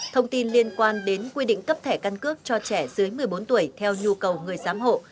thông tin liên quan đến quy định cấp thẻ căn cước cho trẻ dưới một mươi bốn tuổi theo nhu cầu người giám hộ